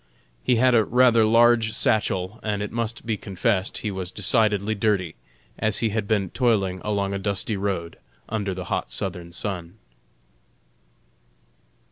He had a rather large satchel, and it must be confessed he was decidedly dirty, as he had been toiling along a dusty road, under the hot Southern sun.